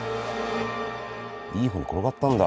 いい方転がったんだ。